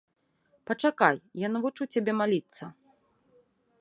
Пачакай, я навучу цябе маліцца.